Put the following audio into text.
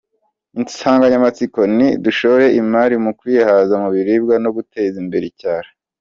Insanganyamatsiko ni: “Dushore imari mu kwihaza mu biribwa no guteza imbere icyaro.